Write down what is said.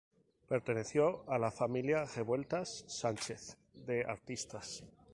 Perteneció a la familia Revueltas Sánchez de artistas.